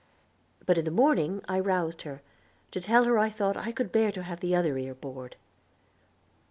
But in the morning I roused her, to tell her I thought I could bear to have the other ear bored.